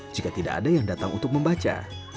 jika tidak ada yang datang untuk membaca